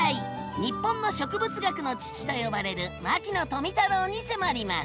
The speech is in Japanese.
「日本の植物学の父」と呼ばれる牧野富太郎に迫ります！